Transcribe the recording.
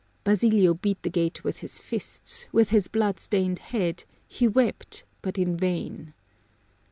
Basilio beat the gate with his fists, with his Mood stained head, he wept, but in vain.